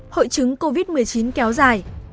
hội chứng covid một mươi chín kéo dài